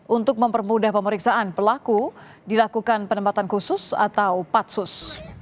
untuk mempermudah pemeriksaan pelaku dilakukan penempatan khusus atau patsus